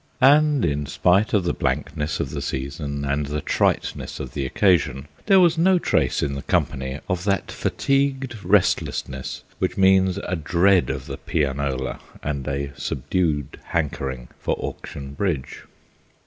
And, in spite of the blankness of the season and the triteness of the occasion, there was no trace in the company of that fatigued restlessness which means a dread of the pianola and a subdued hankering for auction bridge.